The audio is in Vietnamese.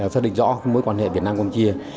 xác định rõ mối quan hệ việt nam campuchia